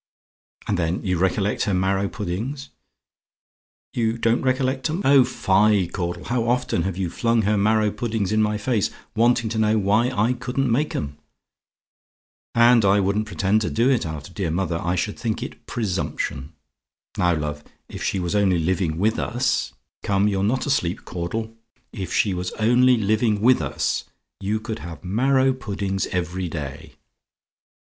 "And then you recollect her marrow puddings? "YOU DON'T RECOLLECT 'EM? "Oh, fie! Caudle, how often have you flung her marrow puddings in my face, wanting to know why I couldn't make 'em? And I wouldn't pretend to do it after dear mother. I should think it presumption. Now, love, if she was only living with us come, you're not asleep, Caudle if she was only living with us, you could have marrow puddings every day.